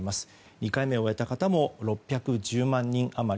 ２回目を終えた方も６１０万人余り。